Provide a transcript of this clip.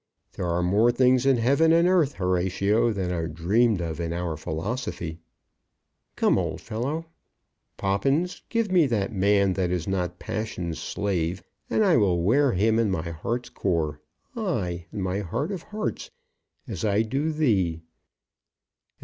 There are more things in heaven and earth, Horatio, than are dreamed of in our philosophy." "Come, old fellow." "Poppins, give me that man that is not passion's slave, and I will wear him in my heart's core; ay, in my heart of hearts; as I do thee."